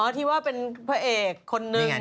ที่ว่าเป็นพระเอกคนนึง